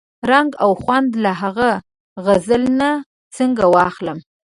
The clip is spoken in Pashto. رنګ او خوند له ها غزل نه څنګه واخلم؟